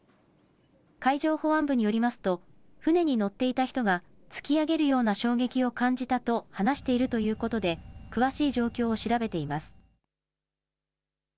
海上保安部によりますと船に乗っていた人が突き上げるような衝撃を感じたと話しているということで詳しい状況を調べています。